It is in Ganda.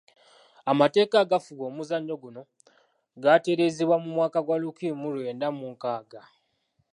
Amateeka agafuga omuzannyo guno gaatereezebwa mu mwaka gwa lukumi mu lwenda mu nkaaga.